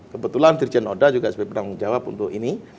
kebetulan dirjen oda juga sudah menjawab untuk ini